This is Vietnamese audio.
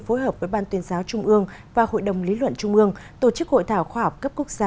phối hợp với ban tuyên giáo trung ương và hội đồng lý luận trung ương tổ chức hội thảo khoa học cấp quốc gia